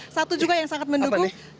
satu juga yang sangat mendukung